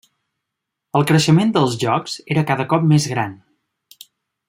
El creixement dels jocs era cada cop més gran.